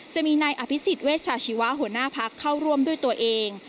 จะมีนายอภิษฎเวชาชีวะหัวหน้าพักเข้าร่วมด้วยตัวเอง